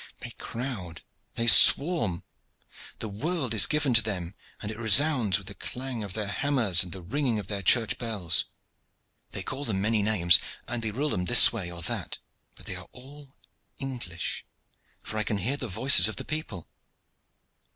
They crowd! They swarm! The world is given to them, and it resounds with the clang of their hammers and the ringing of their church bells. They call them many names, and they rule them this way or that but they are all English, for I can hear the voices of the people.